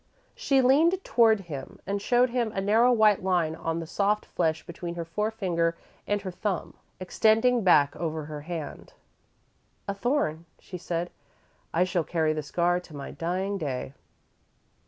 She leaned toward him and showed him a narrow white line on the soft flesh between her forefinger and her thumb, extending back over her hand. "A thorn," she said. "I shall carry the scar to my dying day."